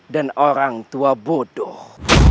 dan orang tua bodoh